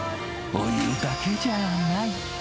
お湯だけじゃない。